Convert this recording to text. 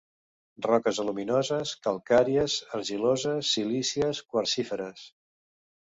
Roques aluminoses, calcàries, argiloses, silícies, quarsíferes.